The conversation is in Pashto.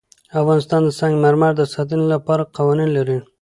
افغانستان د سنگ مرمر د ساتنې لپاره قوانین لري.